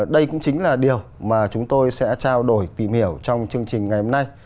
đây cũng chính là điều mà chúng tôi sẽ trao đổi tìm hiểu trong chương trình ngày hôm nay